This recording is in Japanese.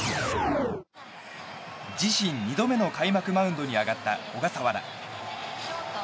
自身２度目の開幕マウンドに上がった小笠原。